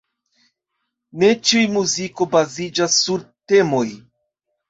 Ne ĉiu muziko baziĝas sur temoj.